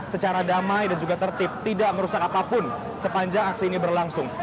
secara damai dan juga tertib tidak merusak apapun sepanjang aksi ini berlangsung